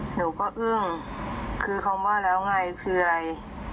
หนูก็อึ้งคือคำว่าแล้วไงคืออะไร